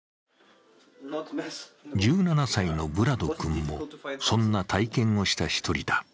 １７歳のヴラド君もそんな体験をした一人だ。